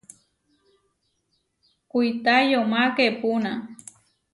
Kuitá yomá keepúna.